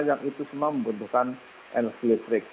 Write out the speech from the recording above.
yang itu semua membutuhkan energi listrik